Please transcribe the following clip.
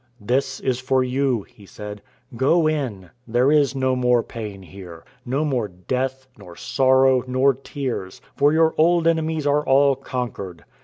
"This is for you," he said. "Go in; there is no more pain here, no more death, nor sorrow, nor tears; for your old enemies are all conquered.